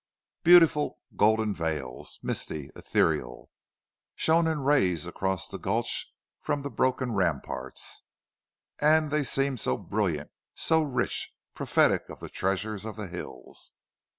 Beautiful golden veils, misty, ethereal, shone in rays across the gulch from the broken ramparts; and they seemed so brilliant, so rich, prophetic of the treasures of the hills.